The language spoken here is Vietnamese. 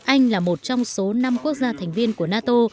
anh là một trong số năm quốc gia thành viên của nato